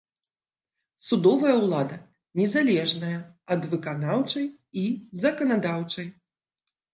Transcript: Судовая ўлада незалежная ад выканаўчай і заканадаўчай.